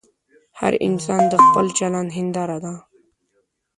هر انسان د خپل چلند هنداره ده.